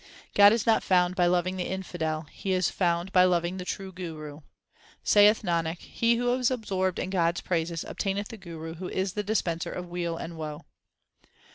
God is not found by loving the infidel ; He is found by loving the true Guru. Saith Nanak, he who is absorbed in God s praises obtaineth the Guru who is the dispenser of weal and woe.